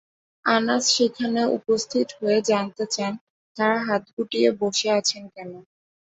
আনাস সেখানে উপস্থিত হয়ে জানতে চান তারা হাত গুটিয়ে বসে আছেন কেন?